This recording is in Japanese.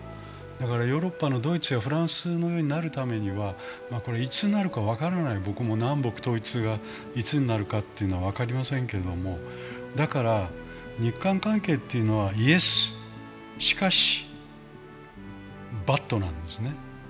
ヨーロッパのドイツやフランスのようになるためには、いつになるか分からない、南北統一がいつになるかは分かりませんけれどもだから日韓関係というのは、イエスしかしバットなんですね。